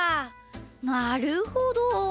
なるほど！